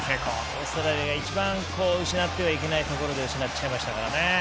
オーストラリアが一番失ってはいけないところで失っちゃいました。